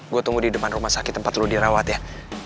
gue tunggu di depan rumah sakit tempat lo dirawat ya